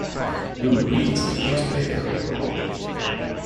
Who reads the newspaper anymore?